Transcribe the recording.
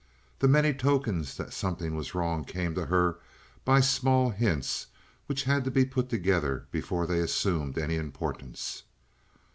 The many tokens that something was wrong came to her by small hints which had to be put together before they assumed any importance.